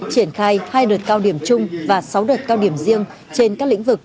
triển khai hai đợt cao điểm chung và sáu đợt cao điểm riêng trên các lĩnh vực